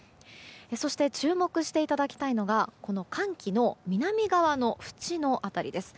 そして注目していただきたいのがこの寒気の南側の淵の辺りです。